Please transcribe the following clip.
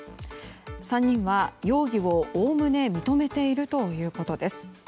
３人は容疑を、おおむね認めているということです。